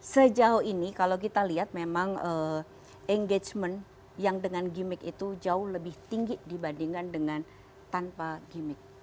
sejauh ini kalau kita lihat memang engagement yang dengan gimmick itu jauh lebih tinggi dibandingkan dengan tanpa gimmick